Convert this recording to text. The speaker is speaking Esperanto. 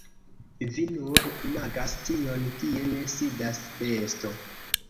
Vi nur imagas tion, tie ne sidas besto.